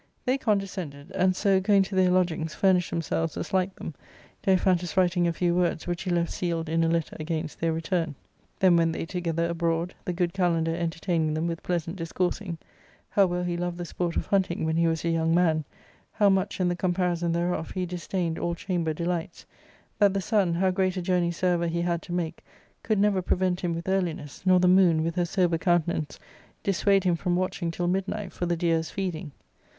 They condescended ; and so, going to their lodg ings, furnished themselves as liked them, Daiphantus writing a few words, which he left sealed in a letter against their return. ARCADIA.— Book L 49 ' Then went tbey together abroad, the good Kalander enter taining them with pleasant discoursing — how well he loved the sport of hunting when he was a young man ; how much, in the comparison thereof, he disdained all chamber delights ; that the sun, how great a journey soever he had to make, could never prevent him with earliness, nor the moon, with her sober countenance, dissuade him from watching till mid night for the deer's feeding.